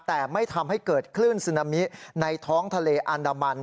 แต่ไม่ทำให้เกิดคลื่นซึนามิในท้องทะเลอันดามัน